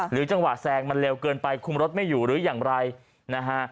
จังหวะแซงมันเร็วเกินไปคุมรถไม่อยู่หรืออย่างไรนะฮะ